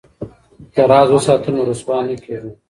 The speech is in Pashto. که راز وساتو نو رسوا نه کیږو.